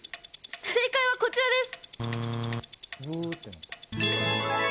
正解はこちらです。